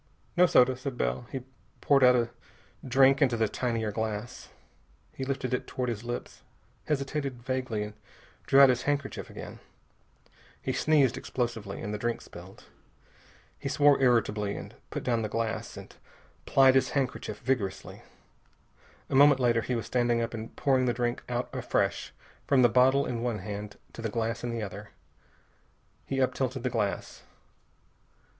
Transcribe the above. "No soda," said Bell. He poured out a drink into the tinier glass. He lifted it toward his lips, hesitated vaguely, and drew out his handkerchief again. He sneezed explosively, and the drink spilled. He swore irritably, put down the glass, and plied his handkerchief vigorously. A moment later he was standing up and pouring the drink out afresh, from the bottle in one hand to the glass in the other. He up tilted the glass.